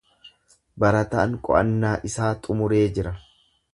Barataan qo'annaa isaa xumuree jira.